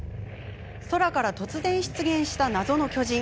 空から突然出現した謎の巨人